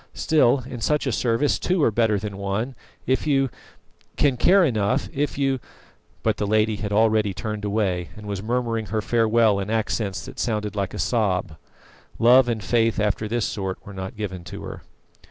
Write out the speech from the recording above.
Still, in such a service two are better than one. If you can care enough if you " But the lady had already turned away, and was murmuring her farewell in accents that sounded like a sob. Love and faith after this sort were not given to her.